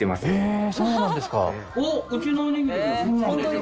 そうなんですよ。